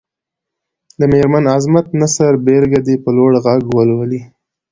د مېرمن عظمت د نثر بېلګه دې په لوړ غږ ولولي.